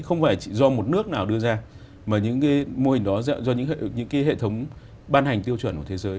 không phải do một nước nào đưa ra mà những mô hình đó do những hệ thống ban hành tiêu chuẩn của thế giới